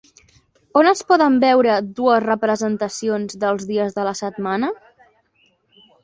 On es poden veure dues representacions dels dies de la setmana?